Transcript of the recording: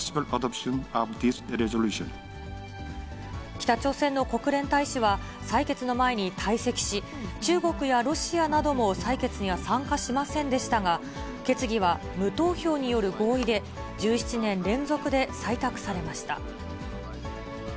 北朝鮮の国連大使は、採決の前に退席し、中国やロシアなども採決には参加しませんでしたが、決議は無投票による合意で、１７年連続で採択されました。